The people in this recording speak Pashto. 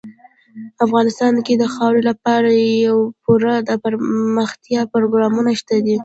افغانستان کې د خاورې لپاره پوره دپرمختیا پروګرامونه شته دي.